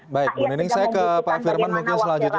baik bu neneng saya ke pak firman mungkin selanjutnya